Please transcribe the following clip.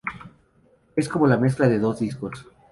Es como la mezcla de dos discos.